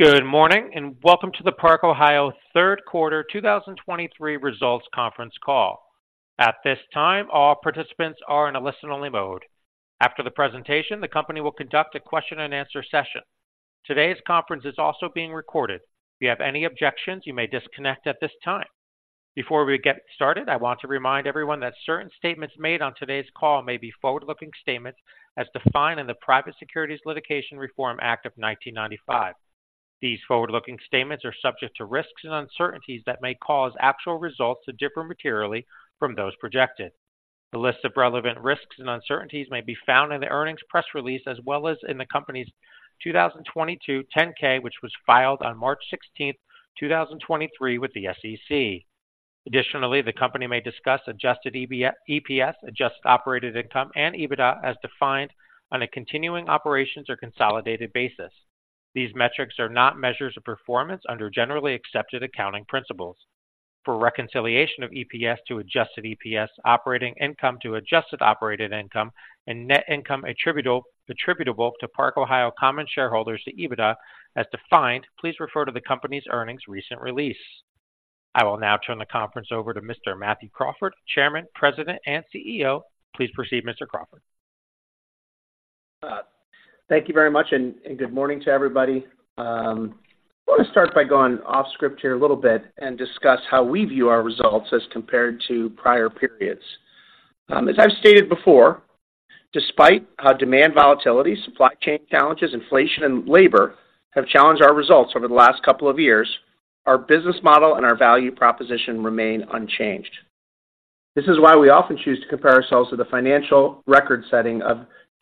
Good morning, and welcome to the Park-Ohio Third Quarter 2023 Results Conference Call. At this time, all participants are in a listen-only mode. After the presentation, the company will conduct a question-and-answer session. Today's conference is also being recorded. If you have any objections, you may disconnect at this time. Before we get started, I want to remind everyone that certain statements made on today's call may be forward-looking statements as defined in the Private Securities Litigation Reform Act of 1995. These forward-looking statements are subject to risks and uncertainties that may cause actual results to differ materially from those projected. A list of relevant risks and uncertainties may be found in the earnings press release, as well as in the company's 2022 10-K, which was filed on March 16th, 2023, with the SEC. Additionally, the company may discuss Adjusted EBITDA, EPS, adjusted operating income, and EBITDA as defined on a continuing operations or consolidated basis. These metrics are not measures of performance under generally accepted accounting principles. For reconciliation of EPS to Adjusted EPS, operating income to adjusted operating income, and net income attributable to Park-Ohio common shareholders to EBITDA as defined, please refer to the company's recent earnings release. I will now turn the conference over to Mr. Matthew Crawford, Chairman, President, and CEO. Please proceed, Mr. Crawford. Thank you very much, and good morning to everybody. I want to start by going off script here a little bit and discuss how we view our results as compared to prior periods. As I've stated before, despite how demand volatility, supply chain challenges, inflation, and labor have challenged our results over the last couple of years, our business model and our value proposition remain unchanged. This is why we often choose to compare ourselves to the financial record setting of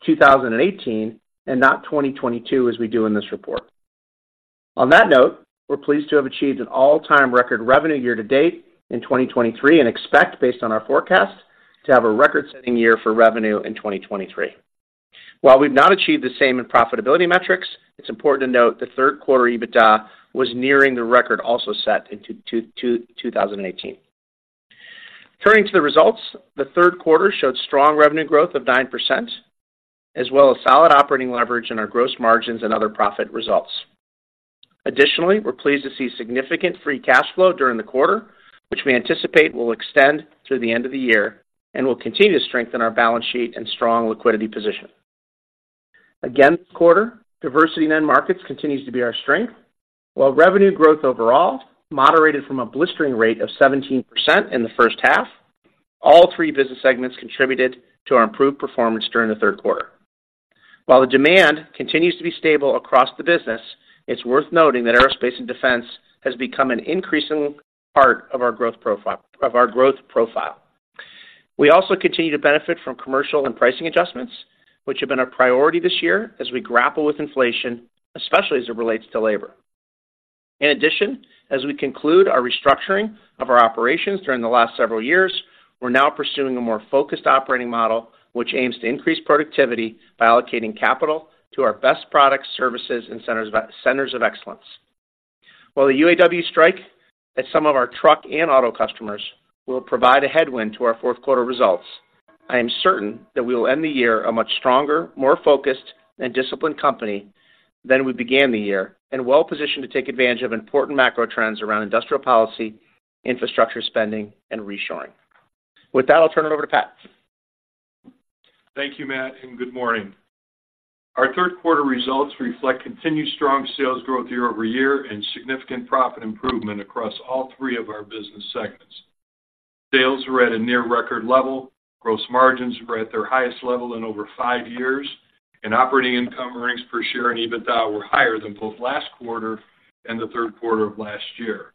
2018 and not 2022, as we do in this report. On that note, we're pleased to have achieved an all-time record revenue year to date in 2023 and expect, based on our forecast, to have a record-setting year for revenue in 2023. While we've not achieved the same in profitability metrics, it's important to note the third quarter EBITDA was nearing the record also set in 2018. Turning to the results, the third quarter showed strong revenue growth of 9%, as well as solid operating leverage in our gross margins and other profit results. Additionally, we're pleased to see significant free cash flow during the quarter, which we anticipate will extend through the end of the year and will continue to strengthen our balance sheet and strong liquidity position. Again, this quarter, diversity in end markets continues to be our strength. While revenue growth overall moderated from a blistering rate of 17% in the first half, all three business segments contributed to our improved performance during the third quarter. While the demand continues to be stable across the business, it's worth noting that aerospace and defense has become an increasing part of our growth profile, of our growth profile. We also continue to benefit from commercial and pricing adjustments, which have been our priority this year as we grapple with inflation, especially as it relates to labor. In addition, as we conclude our restructuring of our operations during the last several years, we're now pursuing a more focused operating model, which aims to increase productivity by allocating capital to our best products, services, and centers, centers of excellence. While the UAW strike at some of our truck and auto customers will provide a headwind to our fourth quarter results, I am certain that we will end the year a much stronger, more focused, and disciplined company than we began the year, and well-positioned to take advantage of important macro trends around industrial policy, infrastructure spending, and reshoring. With that, I'll turn it over to Pat. Thank you, Matt, and good morning. Our third quarter results reflect continued strong sales growth year-over-year and significant profit improvement across all three of our business segments. Sales were at a near record level. Gross margins were at their highest level in over five years, and operating income earnings per share and EBITDA were higher than both last quarter and the third quarter of last year.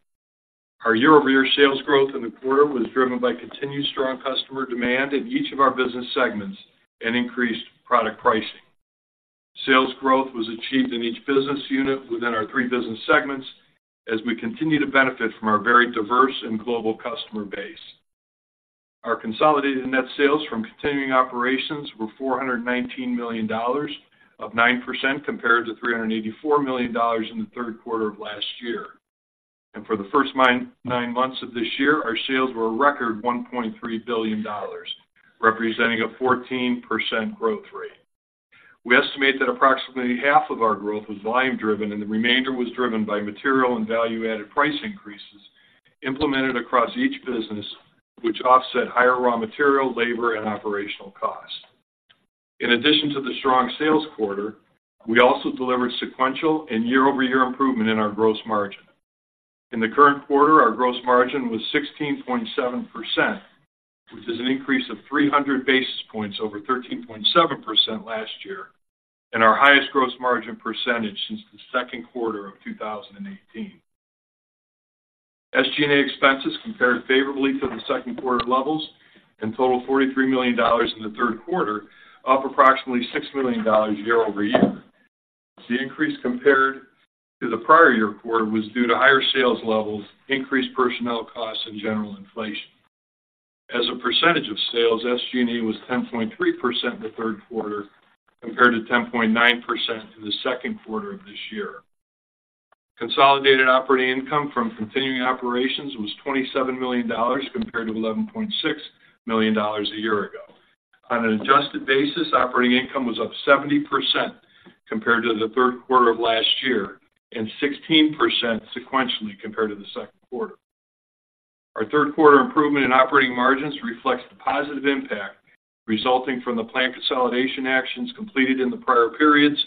Our year-over-year sales growth in the quarter was driven by continued strong customer demand in each of our business segments and increased product pricing. Sales growth was achieved in each business unit within our three business segments as we continue to benefit from our very diverse and global customer base. Our consolidated net sales from continuing operations were $419 million, up 9% compared to $384 million in the third quarter of last year. For the first nine months of this year, our sales were a record $1.3 billion, representing a 14% growth rate. We estimate that approximately half of our growth was volume driven, and the remainder was driven by material and value-added price increases implemented across each business, which offset higher raw material, labor, and operational costs. In addition to the strong sales quarter, we also delivered sequential and year-over-year improvement in our gross margin. In the current quarter, our gross margin was 16.7%, which is an increase of 300 basis points over 13.7% last year, and our highest gross margin percentage since the second quarter of 2018. SG&A expenses compared favorably to the second quarter levels and totaled $43 million in the third quarter, up approximately $6 million year over year. The increase compared to the prior year quarter was due to higher sales levels, increased personnel costs, and general inflation. As a percentage of sales, SG&A was 10.3% in the third quarter, compared to 10.9% in the second quarter of this year. Consolidated operating income from continuing operations was $27 million, compared to $11.6 million a year ago. On an adjusted basis, operating income was up 70% compared to the third quarter of last year, and 16% sequentially compared to the second quarter. Our third quarter improvement in operating margins reflects the positive impact resulting from the plant consolidation actions completed in the prior periods,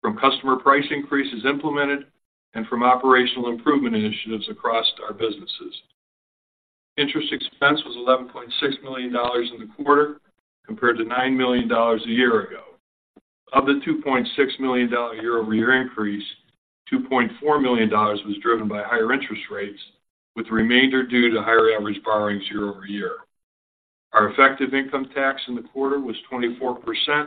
from customer price increases implemented, and from operational improvement initiatives across our businesses. Interest expense was $11.6 million in the quarter, compared to $9 million a year ago. Of the $2.6 million year-over-year increase, $2.4 million was driven by higher interest rates, with the remainder due to higher average borrowings year-over-year. Our effective income tax in the quarter was 24%,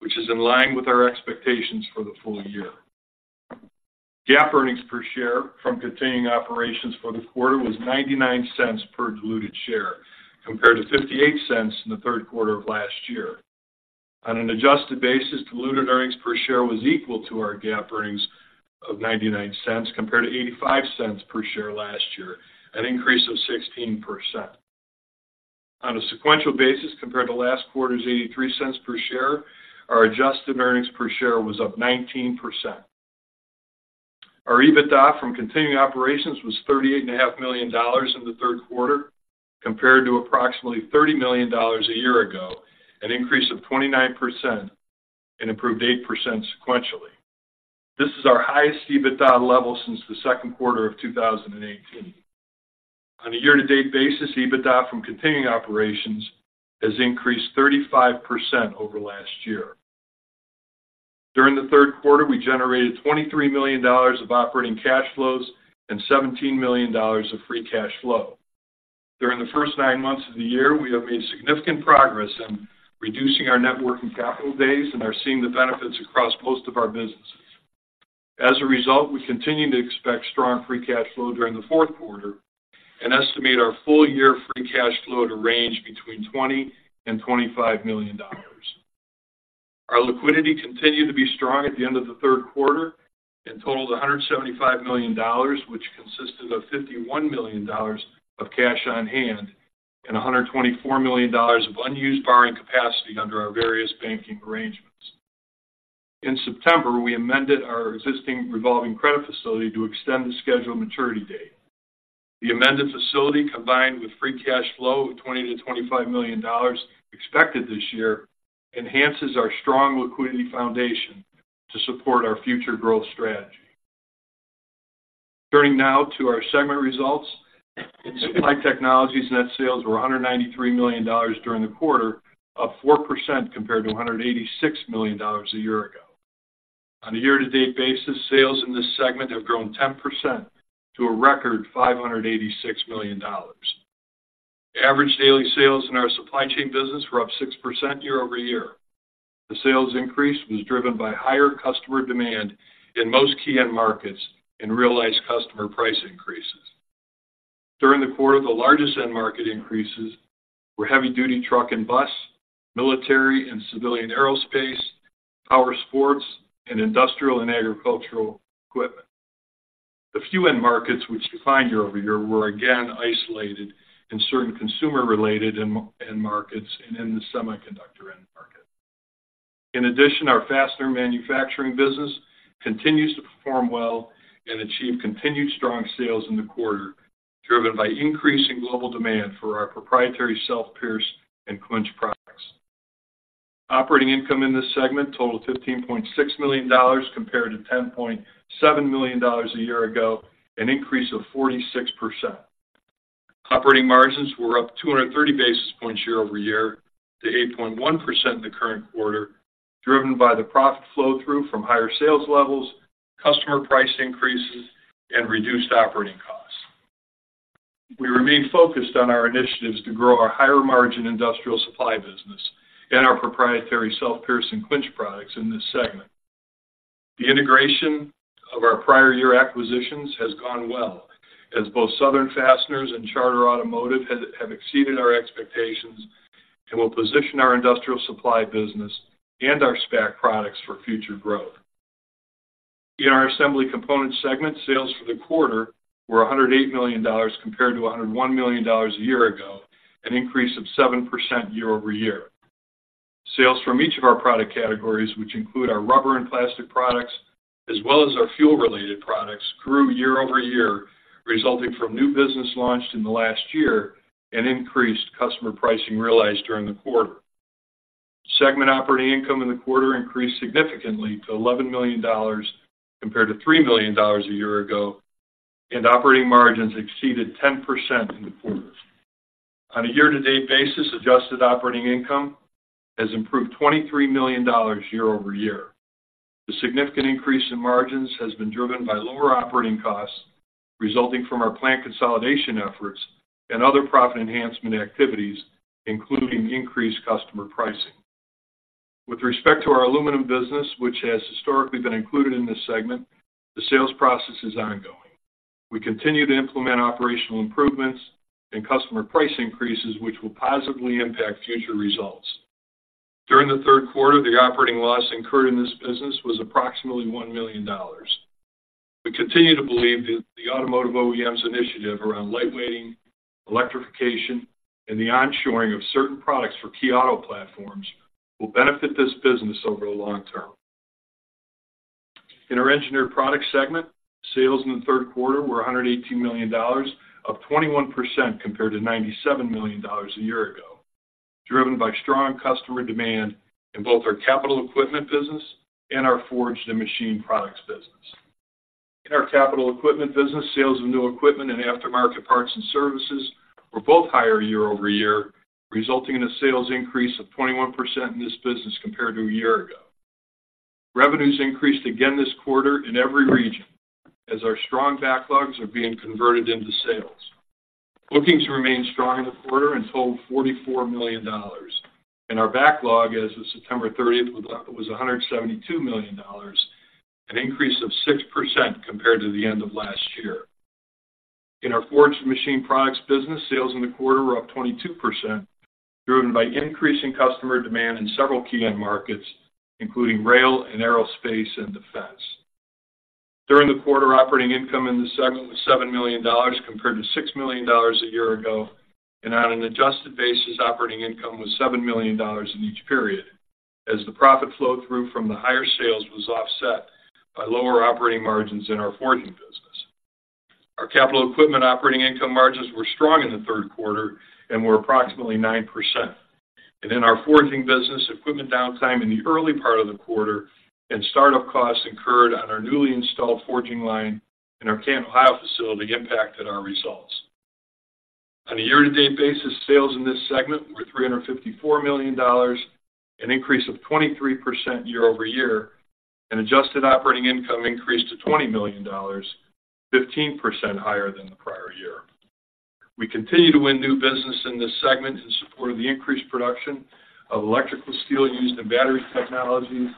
which is in line with our expectations for the full year. GAAP earnings per share from continuing operations for the quarter was $0.99 per diluted share, compared to $0.58 in the third quarter of last year. On an adjusted basis, diluted earnings per share was equal to our GAAP earnings of $0.99, compared to $0.85 per share last year, an increase of 16%. On a sequential basis, compared to last quarter's $0.83 per share, our adjusted earnings per share was up 19%. Our EBITDA from continuing operations was $38.5 million in the third quarter, compared to approximately $30 million a year ago, an increase of 29% and improved 8% sequentially. This is our highest EBITDA level since the second quarter of 2018. On a year-to-date basis, EBITDA from continuing operations has increased 35% over last year. During the third quarter, we generated $23 million of operating cash flows and $17 million of free cash flow. During the first nine months of the year, we have made significant progress in reducing our working capital base and are seeing the benefits across most of our businesses. As a result, we continue to expect strong free cash flow during the fourth quarter and estimate our full-year free cash flow to range between $20 million and $25 million. Our liquidity continued to be strong at the end of the third quarter and totaled $175 million, which consisted of $51 million of cash on hand and $124 million of unused borrowing capacity under our various banking arrangements. In September, we amended our existing revolving credit facility to extend the scheduled maturity date. The amended facility, combined with free cash flow of $20 million-$25 million expected this year, enhances our strong liquidity foundation to support our future growth strategy. Turning now to our segment results. Supply Technologies net sales were $193 million during the quarter, up 4% compared to $186 million a year ago. On a year-to-date basis, sales in this segment have grown 10% to a record $586 million. Average daily sales in our supply chain business were up 6% year-over-year. The sales increase was driven by higher customer demand in most key end markets and realized customer price increases. During the quarter, the largest end market increases were heavy-duty truck and bus, military and civilian aerospace, power sports, and industrial and agricultural equipment. The few end markets which declined year-over-year were again isolated in certain consumer-related end markets and in the semiconductor end market. In addition, our fastener manufacturing business continues to perform well and achieve continued strong sales in the quarter, driven by increasing global demand for our proprietary self-pierce and clinch products. Operating income in this segment totaled $15.6 million, compared to $10.7 million a year ago, an increase of 46%. Operating margins were up 230 basis points year-over-year to 8.1% in the current quarter, driven by the profit flow through from higher sales levels, customer price increases, and reduced operating costs. We remain focused on our initiatives to grow our higher-margin industrial supply business and our proprietary self-pierce and clinch products in this segment. The integration of our prior year acquisitions has gone well, as both Southern Fasteners and Charter Automotive have exceeded our expectations and will position our industrial supply business and our SPAC products for future growth. In our Assembly Components segment, sales for the quarter were $108 million, compared to $101 million a year ago, an increase of 7% year-over-year. Sales from each of our product categories, which include our rubber and plastic products, as well as our fuel-related products, grew year-over-year, resulting from new business launched in the last year and increased customer pricing realized during the quarter. Segment operating income in the quarter increased significantly to $11 million, compared to $3 million a year ago, and operating margins exceeded 10% in the quarter. On a year-to-date basis, adjusted operating income has improved $23 million year-over-year. The significant increase in margins has been driven by lower operating costs resulting from our plant consolidation efforts and other profit enhancement activities, including increased customer pricing. With respect to our aluminum business, which has historically been included in this segment, the sales process is ongoing. We continue to implement operational improvements and customer price increases, which will positively impact future results. During the third quarter, the operating loss incurred in this business was approximately $1 million. We continue to believe that the automotive OEMs initiative around lightweighting, electrification, and the onshoring of certain products for key auto platforms will benefit this business over the long term. In our Engineered Products segment, sales in the third quarter were $118 million, up 21% compared to $97 million a year ago, driven by strong customer demand in both our capital equipment business and our forged and machine products business. In our capital equipment business, sales of new equipment and aftermarket parts and services were both higher year-over-year, resulting in a sales increase of 21% in this business compared to a year ago. Revenues increased again this quarter in every region, as our strong backlogs are being converted into sales. Bookings remained strong in the quarter and totaled $44 million, and our backlog as of September 30th was a $172 million, an increase of 6% compared to the end of last year. In our forged machine products business, sales in the quarter were up 22%, driven by increasing customer demand in several key end markets, including rail and aerospace and defense. During the quarter, operating income in the segment was $7 million, compared to $6 million a year ago, and on an adjusted basis, operating income was $7 million in each period. As the profit flow through from the higher sales was offset by lower operating margins in our forging business. Our capital equipment operating income margins were strong in the third quarter and were approximately 9%. In our forging business, equipment downtime in the early part of the quarter and startup costs incurred on our newly installed forging line in our Canton, Ohio, facility impacted our results. On a year-to-date basis, sales in this segment were $354 million, an increase of 23% year-over-year, and adjusted operating income increased to $20 million, 15% higher than the prior year. We continue to win new business in this segment in support of the increased production of electrical steel used in battery technologies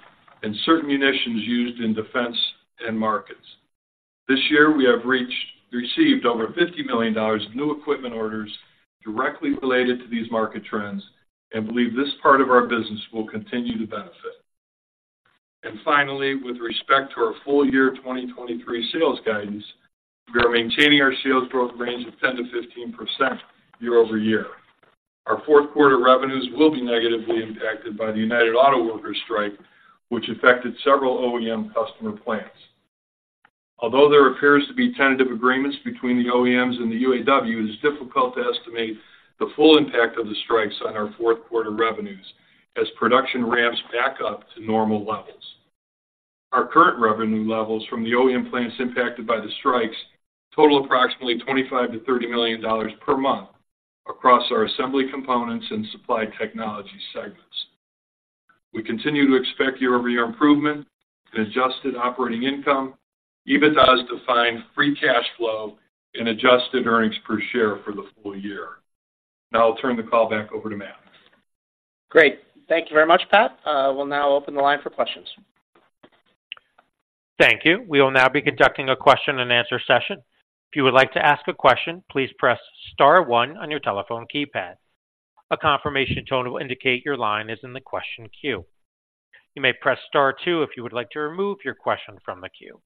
and certain munitions used in defense and markets. This year, we have received over $50 million of new equipment orders directly related to these market trends and believe this part of our business will continue to benefit. Finally, with respect to our full year 2023 sales guidance, we are maintaining our sales growth range of 10%-15% year-over-year. Our fourth quarter revenues will be negatively impacted by the United Auto Workers strike, which affected several OEM customer plants. Although there appears to be tentative agreements between the OEMs and the UAW, it is difficult to estimate the full impact of the strikes on our fourth quarter revenues as production ramps back up to normal levels. Our current revenue levels from the OEM plants impacted by the strikes total approximately $25 million-$30 million per month across our Assembly Components and Supply Technologies segments. We continue to expect year-over-year improvement in adjusted operating income, EBITDA as defined, free cash flow and adjusted earnings per share for the full year. Now I'll turn the call back over to Matt. Great. Thank you very much, Pat. We'll now open the line for questions. Thank you. We will now be conducting a question and answer session. If you would like to ask a question, please press star one on your telephone keypad. A confirmation tone will indicate your line is in the question queue. You may press star two if you would like to remove your question from the queue.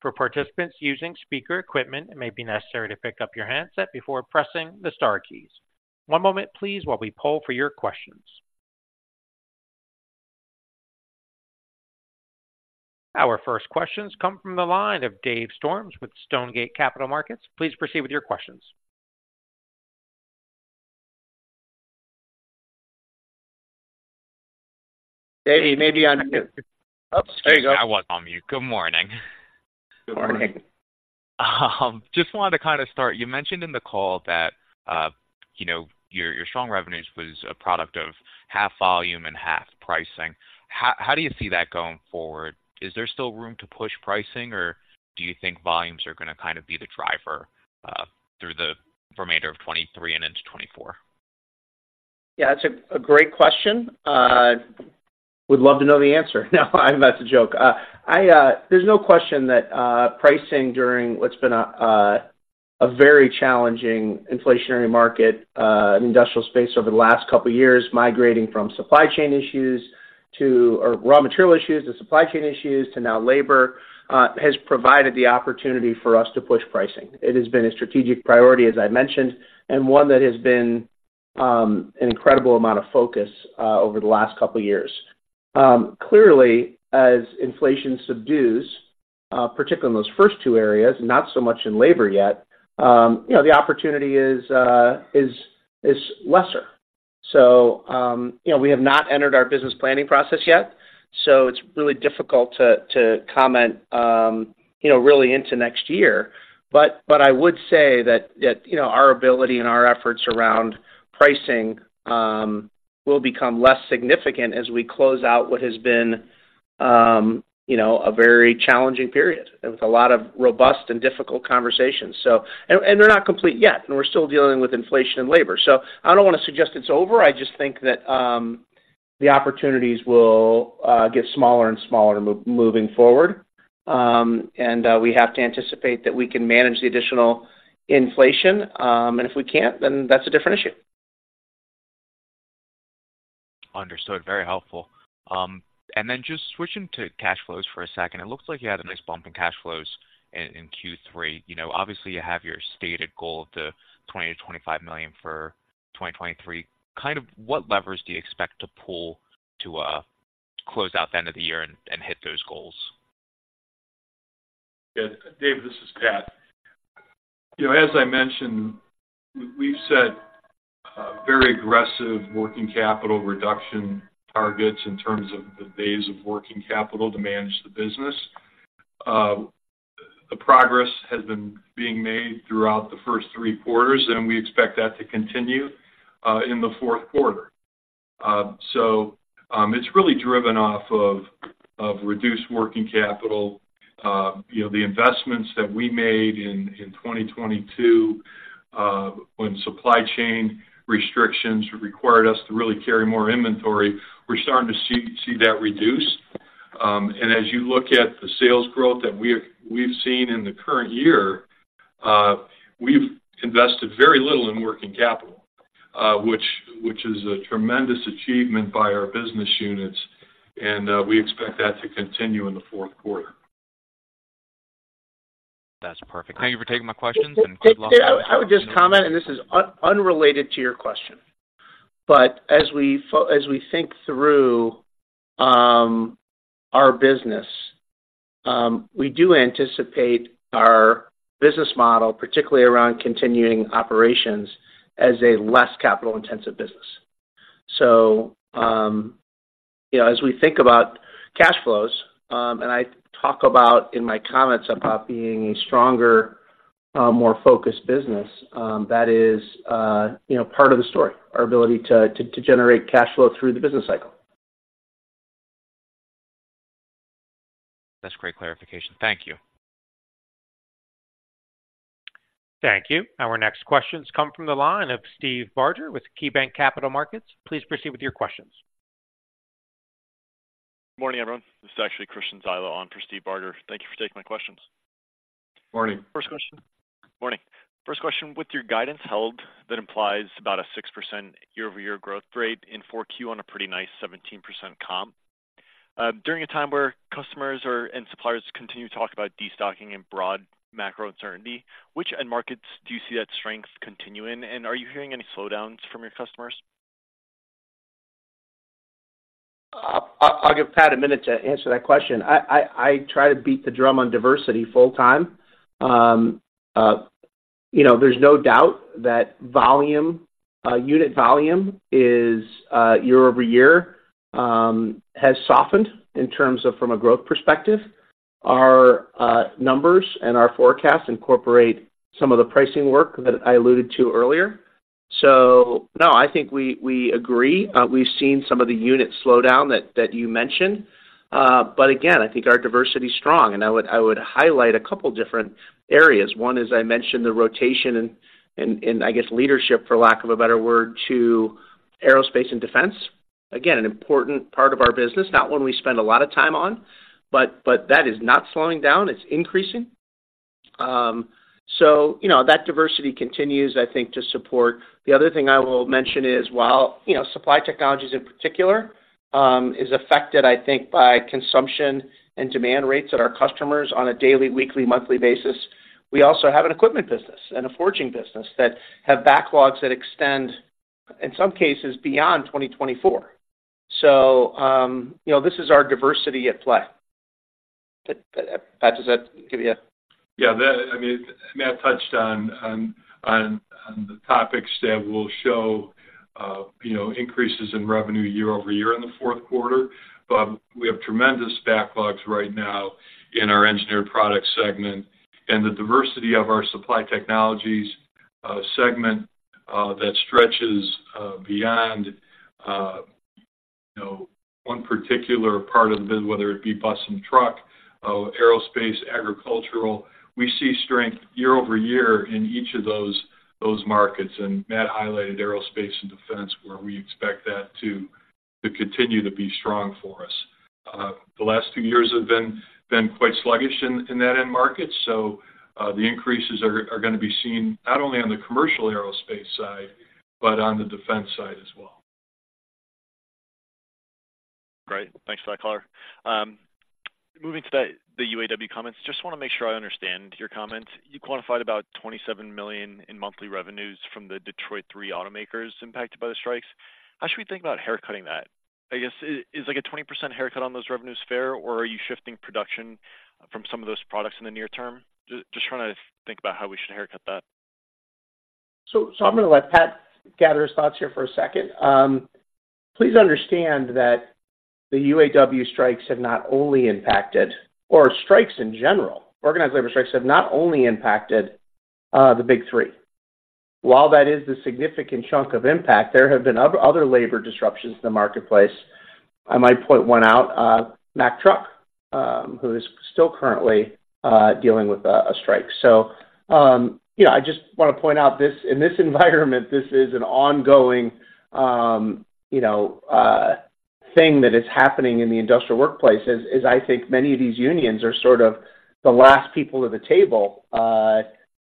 For participants using speaker equipment, it may be necessary to pick up your handset before pressing the star keys. One moment please, while we poll for your questions. Our first questions come from the line of Dave Storms with Stonegate Capital Markets. Please proceed with your questions. Dave, you may be on mute. Oh, there you go. I was on mute. Good morning. Good morning. Just wanted to kind of start, you mentioned in the call that, you know, your, your strong revenues was a product of half volume and half pricing. How, how do you see that going forward? Is there still room to push pricing, or do you think volumes are going to kind of be the driver, through the remainder of 2023 and into 2024? Yeah, that's a great question. Would love to know the answer. No, that's a joke. There's no question that pricing during what's been a very challenging inflationary market in industrial space over the last couple of years, migrating from supply chain issues or raw material issues to supply chain issues to now labor has provided the opportunity for us to push pricing. It has been a strategic priority, as I mentioned, and one that has been an incredible amount of focus over the last couple of years. Clearly, as inflation subdues, particularly in those first two areas, not so much in labor yet, you know, the opportunity is lesser. So, you know, we have not entered our business planning process yet, so it's really difficult to comment, you know, really into next year. But I would say that, you know, our ability and our efforts around pricing will become less significant as we close out what has been, you know, a very challenging period with a lot of robust and difficult conversations. So, and they're not complete yet, and we're still dealing with inflation and labor. So I don't want to suggest it's over. I just think that the opportunities will get smaller and smaller moving forward. And we have to anticipate that we can manage the additional inflation, and if we can't, then that's a different issue. Understood. Very helpful. And then just switching to cash flows for a second. It looks like you had a nice bump in cash flows in Q3. You know, obviously, you have your stated goal of $20-$25 million for 2023. Kind of, what levers do you expect to pull to close out the end of the year and hit those goals? Yeah, Dave, this is Pat. You know, as I mentioned, we've set very aggressive working capital reduction targets in terms of the days of working capital to manage the business. The progress has been being made throughout the first three quarters, and we expect that to continue in the fourth quarter. So, it's really driven off of reduced working capital. You know, the investments that we made in 2022, when supply chain restrictions required us to really carry more inventory, we're starting to see that reduce. And as you look at the sales growth that we've seen in the current year, we've invested very little in working capital, which is a tremendous achievement by our business units, and we expect that to continue in the fourth quarter. That's perfect. Thank you for taking my questions and good luck- I would just comment, and this is unrelated to your question, but as we think through our business, we do anticipate our business model, particularly around continuing operations, as a less capital-intensive business. So, you know, as we think about cash flows, and I talk about in my comments about being a stronger, more focused business, that is, you know, part of the story, our ability to generate cash flow through the business cycle. That's great clarification. Thank you. Thank you. Our next questions come from the line of Steve Barger with KeyBanc Capital Markets. Please proceed with your questions. Morning, everyone. This is actually Christian Zyla on for Steve Barger. Thank you for taking my questions. Morning. First question. Morning. First question: With your guidance held, that implies about a 6% year-over-year growth rate in Q4 on a pretty nice 17% comp. During a time where customers and suppliers continue to talk about destocking and broad macro uncertainty, which end markets do you see that strength continuing? And are you hearing any slowdowns from your customers? I'll give Pat a minute to answer that question. I try to beat the drum on diversity full-time. You know, there's no doubt that volume, unit volume is, year over year, has softened in terms of from a growth perspective. Our numbers and our forecasts incorporate some of the pricing work that I alluded to earlier. So no, I think we agree. We've seen some of the unit slowdown that you mentioned. But again, I think our diversity is strong, and I would highlight a couple different areas. One, as I mentioned, the rotation and I guess leadership, for lack of a better word, to aerospace and defense. Again, an important part of our business, not one we spend a lot of time on, but that is not slowing down. It's increasing. So you know, that diversity continues, I think, to support. The other thing I will mention is, while, you know, Supply Technologies in particular, is affected, I think, by consumption and demand rates at our customers on a daily, weekly, monthly basis, we also have an equipment business and a forging business that have backlogs that extend, in some cases, beyond 2024. So, you know, this is our diversity at play. But, Pat, does that give you a...? Yeah, that, I mean, Matt touched on the topics that will show, you know, increases in revenue year-over-year in the fourth quarter. But we have tremendous backlogs right now in our Engineered Products segment and the diversity of our Supply Technologies segment that stretches beyond, you know, one particular part of the biz, whether it be bus and truck, aerospace, agricultural. We see strength year-over-year in each of those markets, and Matt highlighted aerospace and defense, where we expect that to continue to be strong for us. The last few years have been quite sluggish in that end market, so the increases are gonna be seen not only on the commercial aerospace side, but on the defense side as well. Great. Thanks for that color. Moving to the UAW comments, just wanna make sure I understand your comment. You quantified about $27 million in monthly revenues from the Detroit Three automakers impacted by the strikes. How should we think about haircutting that? I guess, is like a 20% haircut on those revenues fair, or are you shifting production from some of those products in the near term? Just trying to think about how we should haircut that. So I'm gonna let Pat gather his thoughts here for a second. Please understand that the UAW strikes have not only impacted, or strikes in general, organized labor strikes have not only impacted the Big Three. While that is a significant chunk of impact, there have been other labor disruptions in the marketplace. I might point one out, Mack Truck, who is still currently dealing with a strike. So you know, I just wanna point out this, in this environment this is an ongoing thing that is happening in the industrial workplace is I think many of these unions are sort of the last people to the table,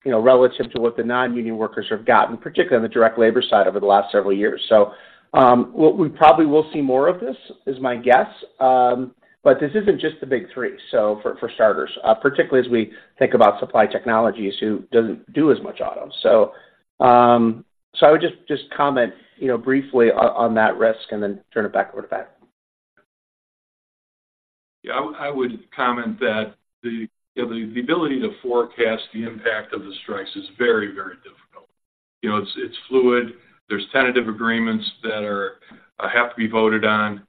you know, relative to what the non-union workers have gotten, particularly on the direct labor side, over the last several years. So, what we probably will see more of this is my guess, but this isn't just the Big Three, so for starters, particularly as we think about Supply Technologies, who doesn't do as much auto. So, so I would just, just comment, you know, briefly on that risk and then turn it back over to Pat. Yeah, I would, I would comment that the, the ability to forecast the impact of the strikes is very, very difficult. You know, it's, it's fluid. There's tentative agreements that are, have to be voted on,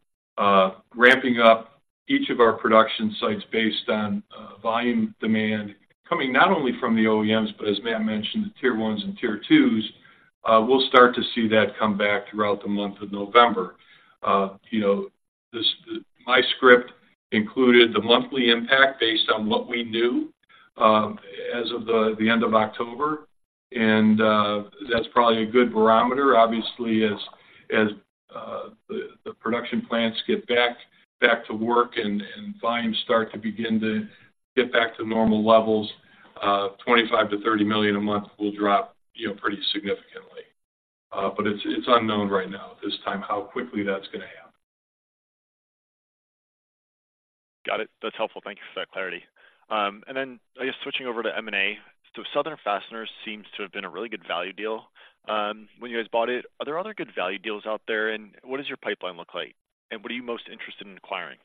ramping up each of our production sites based on, volume demand, coming not only from the OEMs, but as Matt mentioned, the tier ones and tier twos. We'll start to see that come back throughout the month of November. You know, this-my script included the monthly impact based on what we knew, as of the, the end of October, and, that's probably a good barometer. Obviously, as, as, the, the production plants get back, back to work and, and volumes start to begin to get back to normal levels, $25 million-$30 million a month will drop, you know, pretty significantly. But it's unknown right now, at this time, how quickly that's gonna happen. Got it. That's helpful. Thank you for that clarity. And then I guess switching over to M&A. So Southern Fasteners seems to have been a really good value deal, when you guys bought it. Are there other good value deals out there, and what does your pipeline look like, and what are you most interested in acquiring?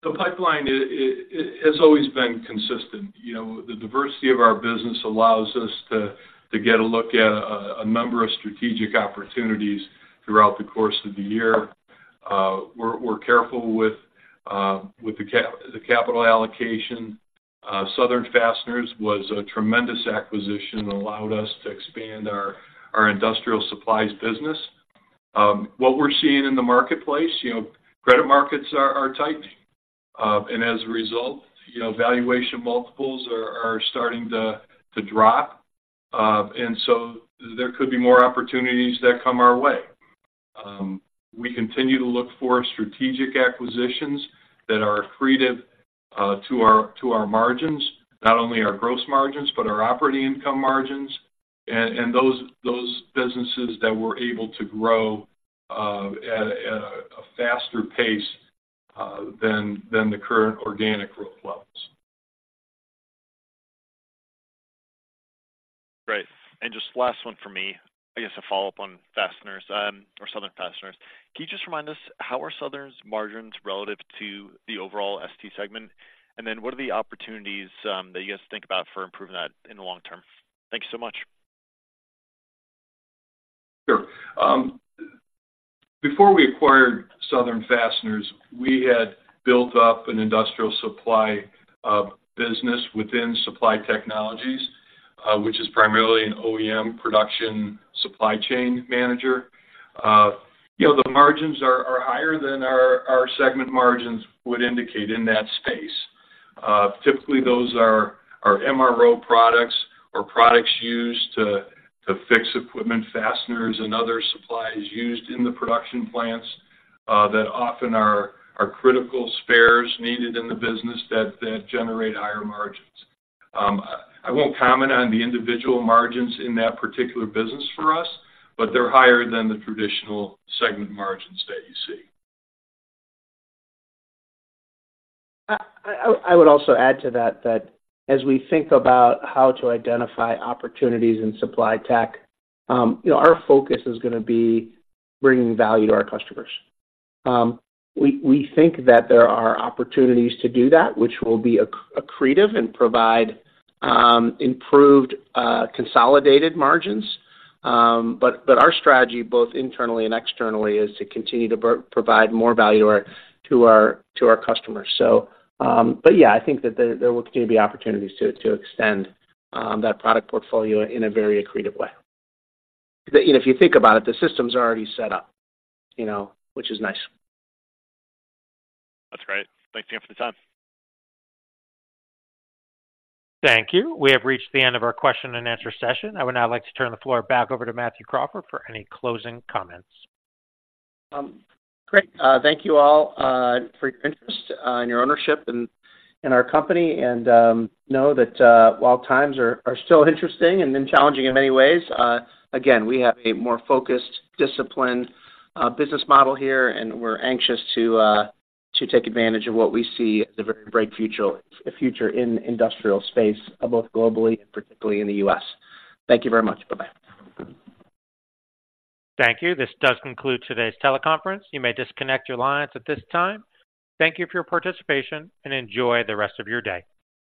The pipeline it has always been consistent. You know, the diversity of our business allows us to get a look at a number of strategic opportunities throughout the course of the year. We're careful with the capital allocation. Southern Fasteners was a tremendous acquisition that allowed us to expand our industrial supplies business. What we're seeing in the marketplace, you know, credit markets are tight. And as a result, you know, valuation multiples are starting to drop. And so there could be more opportunities that come our way. We continue to look for strategic acquisitions that are accretive to our margins, not only our gross margins, but our operating income margins and those businesses that we're able to grow at a faster pace than the current organic growth levels. Great. And just last one for me, I guess, a follow-up on Fasteners or Southern Fasteners. Can you just remind us, how are Southern's margins relative to the overall ST segment? And then what are the opportunities that you guys think about for improving that in the long term? Thank you so much. Sure. Before we acquired Southern Fasteners, we had built up an industrial supply business within Supply Technologies, which is primarily an OEM Production Supply Chain Manager. You know, the margins are higher than our segment margins would indicate in that space. Typically, those are MRO products or products used to fix equipment, Fasteners, and other supplies used in the production plants that often are critical spares needed in the business that generate higher margins. I won't comment on the individual margins in that particular business for us, but they're higher than the traditional segment margins that you see. I would also add to that, that as we think about how to identify opportunities in Supply Tech, you know, our focus is gonna be bringing value to our customers. We think that there are opportunities to do that, which will be accretive and provide improved consolidated margins. But our strategy, both internally and externally, is to continue to provide more value to our customers. So, but yeah, I think that there will continue to be opportunities to extend that product portfolio in a very accretive way. You know, if you think about it, the systems are already set up, you know, which is nice. That's great. Thanks again for the time. Thank you. We have reached the end of our question and answer session. I would now like to turn the floor back over to Matthew Crawford for any closing comments. Great. Thank you all for your interest and your ownership in our company. And know that while times are still interesting and challenging in many ways, again, we have a more focused, disciplined business model here, and we're anxious to take advantage of what we see as a very bright future, a future in industrial space both globally and particularly in the U.S. Thank you very much. Bye-bye. Thank you. This does conclude today's teleconference. You may disconnect your lines at this time. Thank you for your participation, and enjoy the rest of your day.